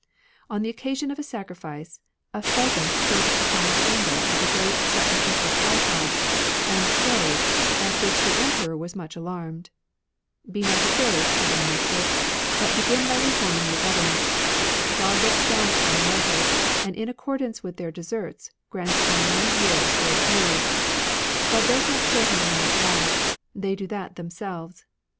On the occasion of a sacrifice, a pheasant perched upon the handle of the great sacrificial tripod, and crowed, at which the Emperor was much alarmed. " Be not afraid," cried a Minister ;*' but begin by reforming your government. God looks down upon mortals, and in accord ance with their deserts grants them many years or few. God does not shorten men's lives ; they do that themselves.